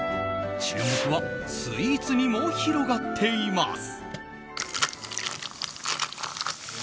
注目はスイーツにも広がっています。